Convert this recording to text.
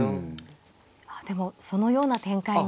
あでもそのような展開に。